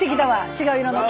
違う色の子。